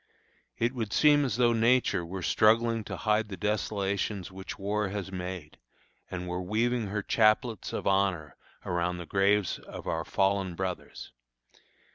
It would seem as though Nature were struggling to hide the desolations which war has made, and were weaving her chaplets of honor around the graves of our fallen brothers.